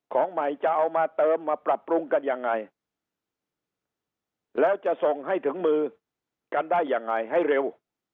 ของใหม่จะเอามาเติมมาปรับปรุงกันยังไงแล้วจะส่งให้ถึงมือกันได้ยังไงให้เร็ว